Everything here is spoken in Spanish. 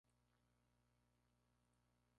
Durante ese mismo año se instaló Meteorología.